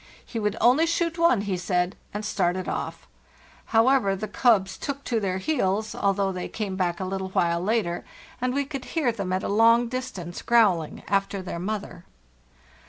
He would only shoot one, he said, and started off. However, the cubs took to their heels, although they came back a little while later, and we could hear them at a long distance growling after their mother.